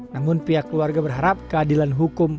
namun pihak keluarga berharap keadilan hukum